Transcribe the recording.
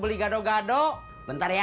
we learn gehabtat berderimnya